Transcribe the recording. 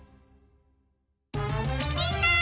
みんな！